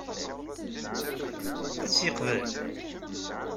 Ad tt-yeqbel?